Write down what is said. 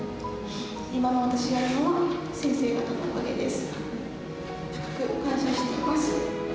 今の私があるのは、先生のおかげです。